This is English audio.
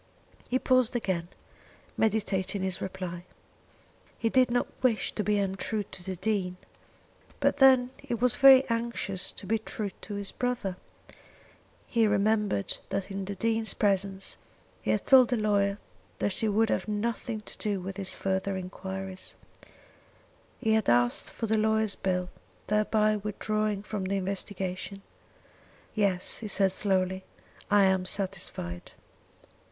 He paused again, meditating his reply. He did not wish to be untrue to the Dean, but then he was very anxious to be true to his brother. He remembered that in the Dean's presence he had told the lawyer that he would have nothing to do with further enquiries. He had asked for the lawyer's bill, thereby withdrawing from the investigation. "Yes," he said slowly; "I am satisfied."